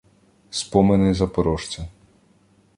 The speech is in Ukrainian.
Спомини запорожця.